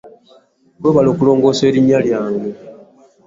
Webale okulongosa erinnya lyange.